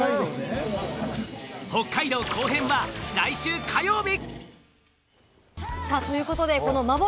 北海道後編は来週火曜日。